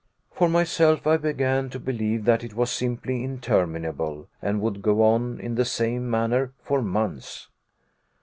For myself, I began to believe that it was simply interminable, and would go on in the same manner for months.